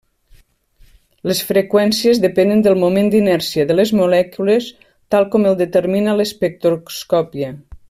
Les freqüències depenen del moment d'inèrcia de les molècules, tal com el determina l'espectroscòpia.